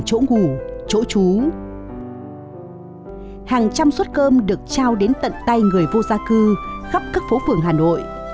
hàng trăm suất cơm được trao đến tận tay người vô gia cư khắp các phố phường hà nội